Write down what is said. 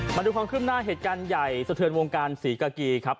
มาดูความขึ้นหน้าเหตุการณ์ใหญ่สะเทือนวงการศรีกากีครับ